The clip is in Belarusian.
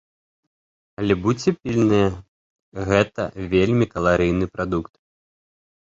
Але будзьце пільныя, гэта вельмі каларыйны прадукт.